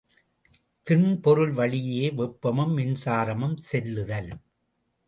திண்பொருள் வழியே வெப்பமும் மின்சாரமும் செல்லுதல்.